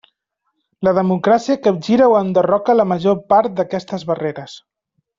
La democràcia capgira o enderroca la major part d'aquestes barreres.